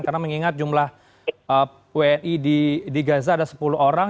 karena mengingat jumlah wni di gaza ada sepuluh orang